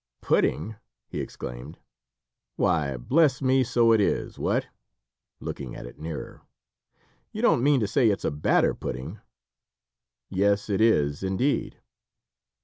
"Pudding!" he exclaimed. "Why, bless me, so it is! What!" looking at it nearer. "You don't mean to say it's a batter pudding?" "Yes, it is indeed."